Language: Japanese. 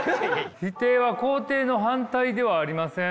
「否定は肯定の反対ではありません」。